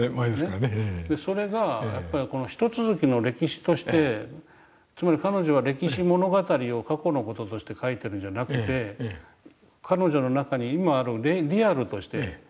それがやっぱり一続きの歴史としてつまり彼女は歴史物語を過去の事として描いてるんじゃなくて彼女の中に今あるリアルとして入ってるわけですね。